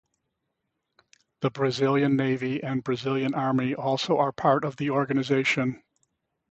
The Brazilian Navy and Brazilian Army also are part of the organization.